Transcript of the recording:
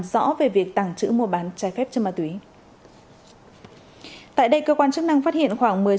rõ về việc tặng chữ mua bán trái phép cho ma túy tại đây cơ quan chức năng phát hiện khoảng một mươi sáu